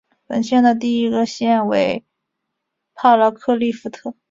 本县的第一个县治为帕拉克利夫特。